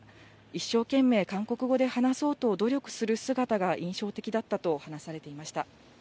一生懸命韓国語で話そうと努力する姿が印象的だったと話されていました。